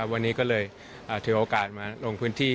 วันนี้ก็เลยถือโอกาสมาลงพื้นที่